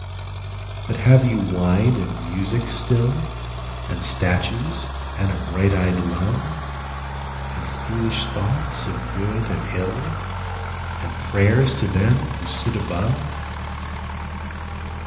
But have you wine and music still, And statues and a bright eyed love, And foolish thoughts of good and ill, And prayers to them who sit above?